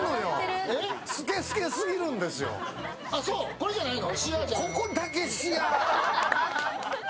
これじゃないの？